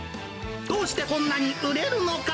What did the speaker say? どうしてこんなに売れるのか！